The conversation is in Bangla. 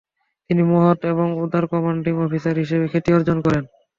তিনি "মহৎ এবং উদার" কমান্ডিং অফিসার হিসেবে খ্যাতি অর্জন করেন।